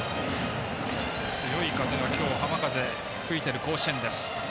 強い風、今日浜風が吹いている甲子園。